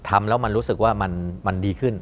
ทำแล้วมันรู้สึกว่ามันดีขึ้น